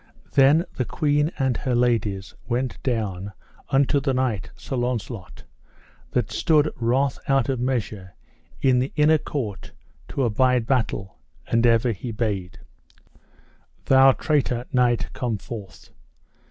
Then the queen and her ladies went down unto the knight, Sir Launcelot, that stood wroth out of measure in the inner court, to abide battle; and ever he bade: Thou traitor knight come forth.